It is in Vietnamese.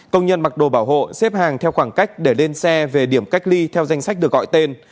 công nhân mặc đồ bảo hộ xếp hàng theo khoảng cách để lên xe về điểm cách ly theo danh sách được gọi tên